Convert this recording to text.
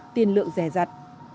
tiền lượng rẻ rặt